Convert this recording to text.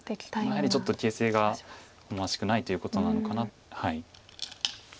やはりちょっと形勢が思わしくないということなのかな。